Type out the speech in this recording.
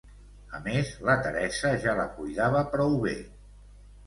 A més, la Teresa ja la cuidava prou bé.